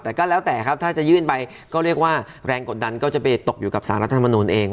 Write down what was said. แต่ก็แล้วแต่ครับถ้าจะยื่นไปก็เรียกว่าแรงกดดันก็จะไปตกอยู่กับสารรัฐธรรมนูลเอง